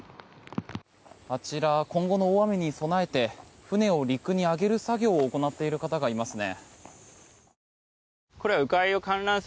あちら今後の大雨に備えて船を陸に揚げる作業を行っている方がいますね。